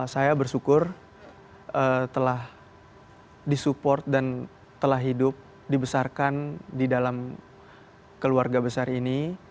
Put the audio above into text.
saya bersyukur telah disupport dan telah hidup dibesarkan di dalam keluarga besar ini